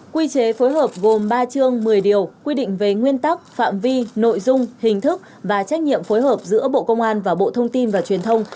quy chế phối hợp gồm ba chương một mươi điều quy định về nguyên tắc phạm vi nội dung hình thức và trách nhiệm phối hợp giữa bộ công an và bộ thông tin và truyền thông